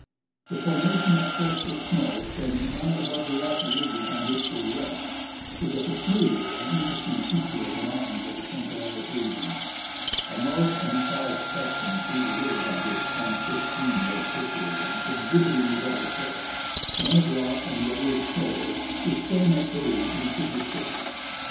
The formation of crests of snow standing high above the rocky ridges on which they rest is a peculiar and interesting feature of the mountains of the St. Elias region. A north and south section through the ridge on which Camp 15 was situated, exhibiting the double crests, one of rock and the other of snow, is shown at a in figure 6.